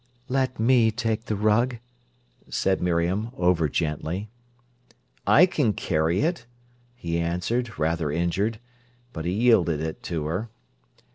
"Let me take the rug," said Miriam over gently. "I can carry it," he answered, rather injured. But he yielded it to her.